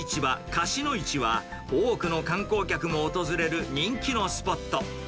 河岸の市は、多くの観光客も訪れる人気のスポット。